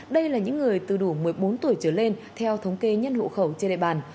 đây là những người từ đủ một mươi bốn tuổi trở lên theo thống kê nhân hộ khẩu trên địa bàn